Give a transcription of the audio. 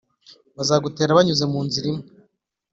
Bazagutera banyuze mu nzira imwe,